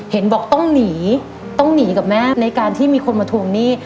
เห็นบอกต้องหนีต้องหนีกับแม่ในการที่มีคนมาทวงหนี้